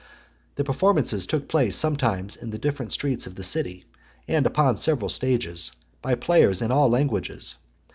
The performances took place sometimes in the different streets of the city, and upon several stages, by players in all languages.